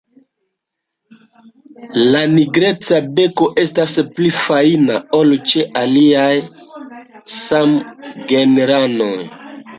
La nigreca beko estas pli fajna ol ĉe aliaj samgenranoj.